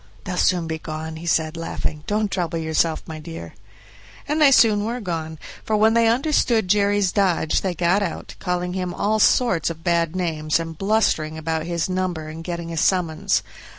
"They'll soon be gone," he said, laughing; "don't trouble yourself, my dear." And they soon were gone, for when they understood Jerry's dodge they got out, calling him all sorts of bad names and blustering about his number and getting a summons.